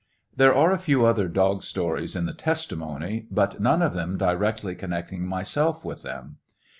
There are a few other dog stories in the testimony, but none of them directly connecting myself with them.